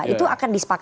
itu akan disepakati